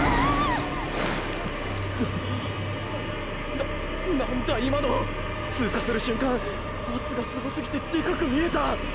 なっ何だ今の⁉通過する瞬間“圧”がすごすぎてでかく見えた！！